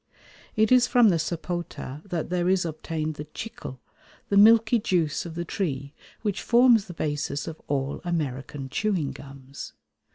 It is from the sapota that there is obtained the chicle, the milky juice of the tree which forms the basis of all American chewing gums.